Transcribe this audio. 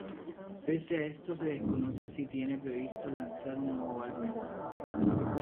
Pese a esto se desconoce si tiene previsto lanzar un nuevo álbum.